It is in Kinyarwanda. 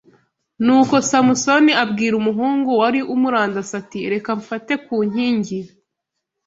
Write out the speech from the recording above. Nuko Samusoni abwira umuhungu wari umurandase ati reka mfate ku nking